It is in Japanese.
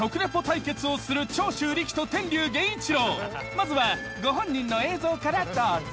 まずはご本人の映像からどうぞ。